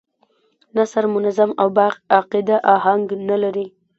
نثر منظم او با قاعده اهنګ نه لري.